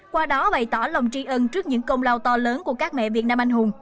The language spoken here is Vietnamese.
qua đó bày tỏ lòng tri ân trước những công lao to lớn của các mẹ việt nam anh hùng